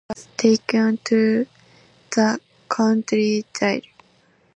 He surrendered and was taken to the county jail.